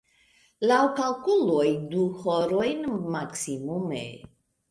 Laŭ kalkuloj, du horojn maksimume.